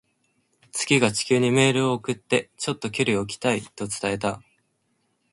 月が地球にメールを送って、「ちょっと距離を置きたい」と伝えた。